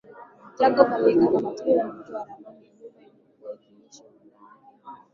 Jacob alielekea kabatini na kutoa ramani ya nyumba waliyokua wakiishi wanawake hao